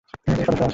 কীসের সমস্যা আছে?